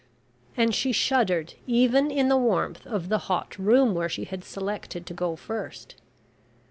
and she shuddered even in the warmth of the hot room where she had selected to go first.